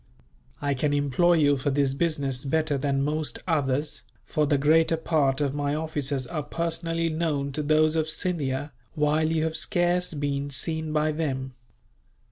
I can employ you for this business better than most others, for the greater part of my officers are personally known to those of Scindia, while you have scarce been seen by them.